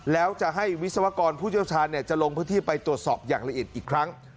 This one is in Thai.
แล้วจะให้วิศวกรผู้เชี่ยวชาญจะลงพื้นที่ไปตรวจสอบอย่างละเอียดอีกครั้ง